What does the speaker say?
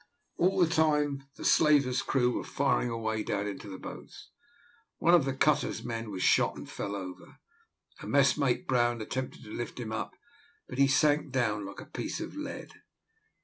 All this time the slaver's crew were firing away down into the boats. One of the cutter's men was shot, and fell over. A messmate, Brown, attempted to lift him up, but he sank down like a piece of lead.